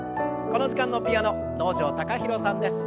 この時間のピアノ能條貴大さんです。